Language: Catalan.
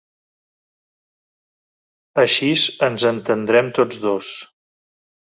Axis ens entendrem tots dos.